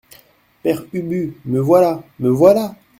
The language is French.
Père Ubu Me voilà ! me voilà !